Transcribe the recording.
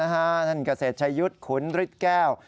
ท่านเกษตรชายุทธ์ขุนฤทธิ์แก้ว